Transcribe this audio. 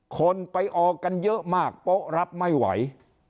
คนไปออกกันเยอะมากโป๊ะรับไม่ไหว